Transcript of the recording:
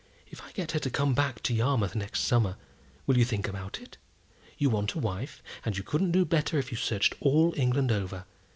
If I get her to come back to Yarmouth next summer, will you think about it? You want a wife, and you couldn't do better if you searched all England over.